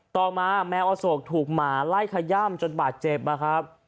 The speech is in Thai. ต่อมาแมวอโศกถูกหมาไล่ขย่ำจนบาดเจ็บนะครับ